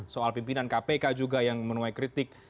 soal pimpinan kpk juga yang menuai kritik